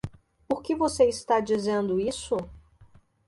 Por que você está dizendo isso?